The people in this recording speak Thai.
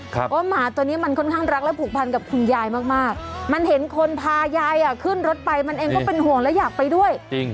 เพราะว่าหมาตัวนี้มันค่อนข้างรักและผูกพันกับคุณยายมากมากมันเห็นคนพายายอ่ะขึ้นรถไปมันเองก็เป็นห่วงและอยากไปด้วยจริง